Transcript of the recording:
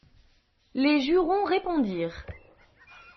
Les jurons répondirent.